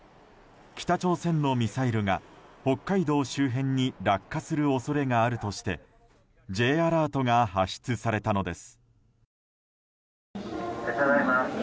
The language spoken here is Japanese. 北朝鮮のミサイルが北海道周辺に落下する恐れがあるとしてＪアラートが発出されたのです。